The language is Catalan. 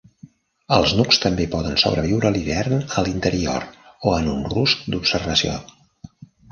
Els nucs també poden sobreviure a l'hivern a l'interior, o en un rusc d'observació.